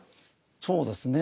そうですね。